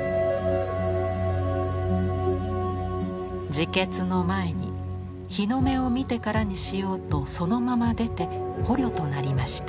「自決の前に日の目を見てからにしようとそのまま出て捕虜となりました。